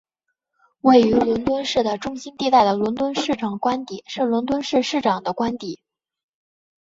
位于伦敦市的中心地带的伦敦市长官邸是伦敦市市长的官邸。